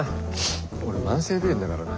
俺慢性鼻炎だからな。